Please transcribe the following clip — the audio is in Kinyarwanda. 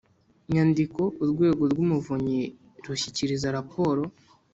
nyandiko Urwego rw Umuvunyi rushyikiriza raporo